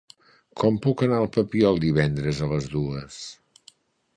Com puc anar al Papiol divendres a les dues?